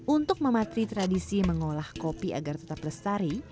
untuk mematri tradisi mengolah kopi agar tetap lestari